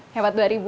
hebat dua ribu